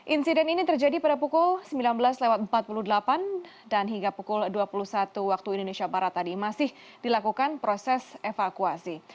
insiden ini terjadi pada pukul sembilan belas empat puluh delapan dan hingga pukul dua puluh satu waktu indonesia barat tadi masih dilakukan proses evakuasi